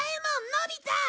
のび太！